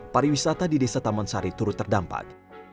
pariwisata di desa taman sari turut terdampak